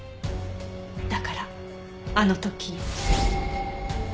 だからあの時。